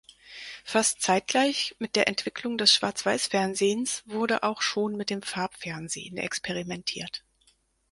Fast gleichzeitig mit der Entwicklung des Schwarz-Weiß-Fernsehens wurde auch schon mit dem Farbfernsehen experimentiert.